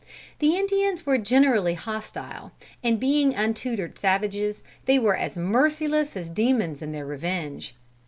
The Indians were generally hostile, and being untutored savages, they were as merciless as demons in their revenge.